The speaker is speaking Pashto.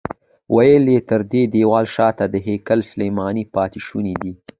ویل یې تر دې دیوال شاته د هیکل سلیماني پاتې شوني دي.